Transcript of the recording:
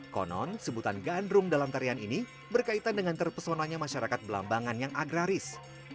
konon sebutan gandrung dalam tarian ini berkaitan dengan terpesonanya masyarakat belambangan yang agraris